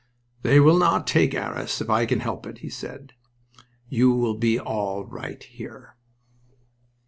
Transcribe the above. "They will not take Arras if I can help it," he said. "You will be all right here."